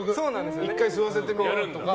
１回吸わせてみようとか。